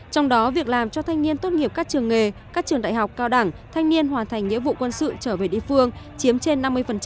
trong đó việc làm cho thanh niên tốt nghiệp các trường nghề các trường đại học cao đẳng thanh niên hoàn thành nghĩa vụ quân sự trở về địa phương chiếm trên năm mươi